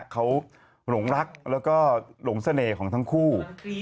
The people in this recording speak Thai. เขาหลงรักแล้วก็หลงเสน่ห์ของทั้งคู่